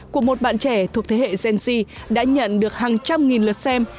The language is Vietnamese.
của một bạn trẻ thuộc thế hệ gen z đã nhận được hàng trăm nghìn lượt xem